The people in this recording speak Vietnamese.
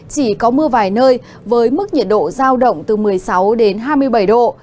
chỉ có mưa vài nơi với mức nhiệt độ giao động từ một mươi sáu đến hai mươi bảy độ